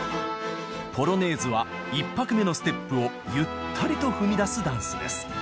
ポロネーズは１拍目のステップをゆったりと踏みだすダンスです。